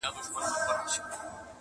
سکون مي ناکراره کي خیالونه تښتوي!